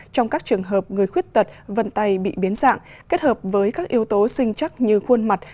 trong các trường hợp người khuyết tật vân tay bị biến dạng kết hợp với các yếu tố sinh chắc như khuôn mặt